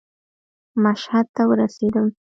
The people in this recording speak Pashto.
مشهد ته ورسېدم.